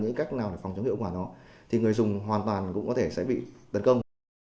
những cách nào để phòng chống hiệu quả nó thì người dùng hoàn toàn cũng có thể sẽ bị tấn công